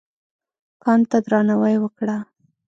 کان ته درناوی وکړه.